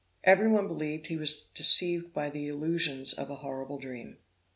Every one believed he was deceived by the illusions of a horrible dream.